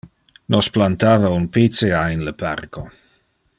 Nos plantava un picea in le parco.